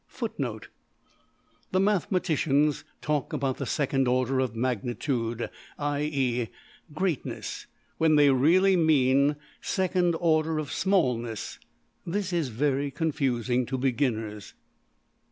\footnote {The mathematicians talk about the second order of ``magnitude'' (\IE~greatness) when they really mean second order of \emph{smallness}. This is very confusing to beginners.